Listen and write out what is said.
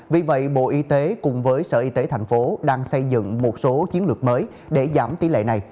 vì vậy bộ y tế cùng với sở y tế thành phố đang xây dựng một số chiến lược mới để giảm tỷ lệ này